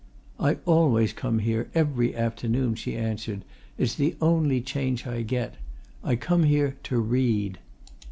"I always come here every afternoon," she answered. "It's the only change I get. I come here to read."